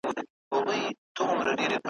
لا یې ښه تر زامي نه وه رسولې `